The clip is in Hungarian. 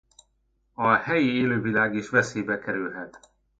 A helyi élővilág is veszélybe kerülhet.